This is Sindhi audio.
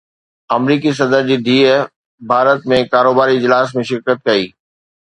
آمريڪي صدر جي ڌيءَ ڀارت ۾ ڪاروباري اجلاس ۾ شرڪت ڪئي